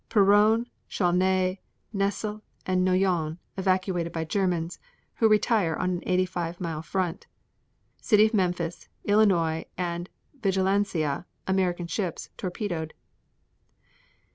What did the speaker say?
Peronne, Chaulnes, Nesle and Noyon evacuated by Germans, who retire on an 85 mile front. 18. City of Memphis, Illinois, and Vigilancia, American ships, torpedoed. 19.